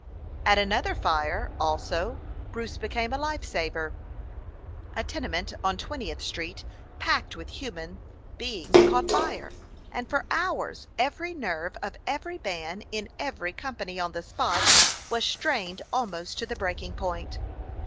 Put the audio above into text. At another fire, also, Bruce became a life saver. A tenement on Twentieth Street packed with human beings caught fire, and for hours every nerve of every man in every company on the spot was strained almost to the breaking point.